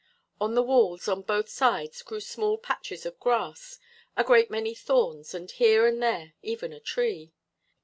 On the walls, on both sides, grew small patches of grass, a great many thorns, and here and there even a tree.